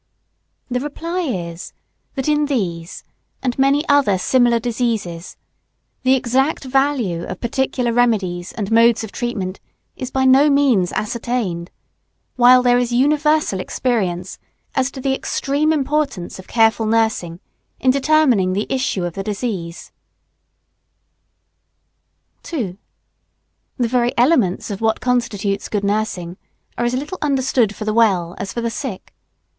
The reply is, that in these and many other similar diseases the exact value of particular remedies and modes of treatment is by no means ascertained, while there is universal experience as to the extreme importance of careful nursing in determining the issue of the disease. [Sidenote: Nursing the well.] II. The very elements of what constitutes good nursing are as little understood for the well as for the sick.